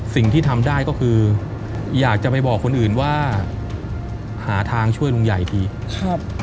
สิ่งที่ทำได้ก็คืออยากจะไปบอกคนอื่นว่าหาทางช่วยลุงใหญ่ทีครับ